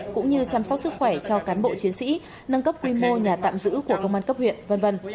cũng như chăm sóc sức khỏe cho cán bộ chiến sĩ nâng cấp quy mô nhà tạm giữ của công an cấp huyện v v